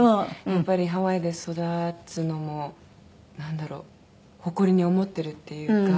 やっぱりハワイで育つのもなんだろう誇りに思ってるっていうか。